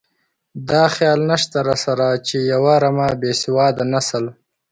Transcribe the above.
دا خیال نشته راسره چې یوه رمه بې سواده نسل.